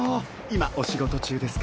今お仕事中ですか？